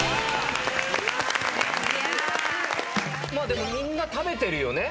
でもみんな食べてるよね